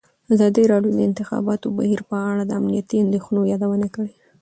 ازادي راډیو د د انتخاباتو بهیر په اړه د امنیتي اندېښنو یادونه کړې.